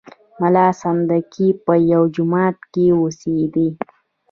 ملا سنډکی په یوه جومات کې اوسېدی.